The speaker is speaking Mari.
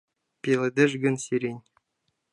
Пеледеш гын сирень